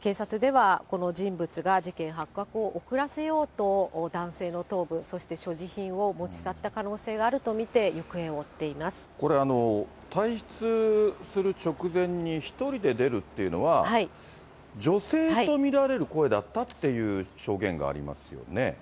警察では、この人物が事件発覚を遅らせようと男性の頭部、そして所持品を持ち去った可能性があると見て、行方を追っていまこれ、退室する直前に１人で出るっていうのは、女性と見られる声だったっていう証言がありますよね。